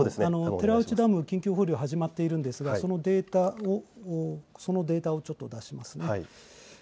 寺内ダム、緊急放流が始まっているんですがそのデータを出します。